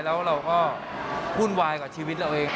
แล้วเราก็วุ่นวายกับชีวิตเราเอง